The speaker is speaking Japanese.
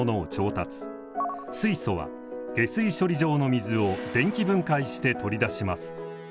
水素は下水処理場の水を電気分解して取り出します。